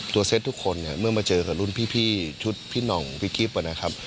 ตัวเซ็ตทุกคนเมื่อมาเจอกับรุ่นพี่ชุดพี่นองพี่กิฟต์